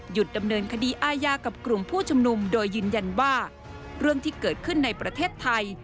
ดำเนินคดีอาญากับกลุ่มผู้ชุมนุมโดยยืนยันว่าเรื่องที่เกิดขึ้นในประเทศไทย